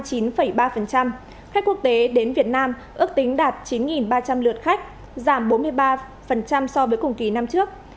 khách quốc tế đến việt nam ước tính đạt chín ba trăm linh lượt khách giảm bốn mươi ba so với cùng kỳ năm trước